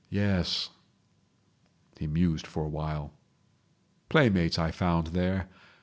Yes—" He mused for awhile. "Playmates I found there.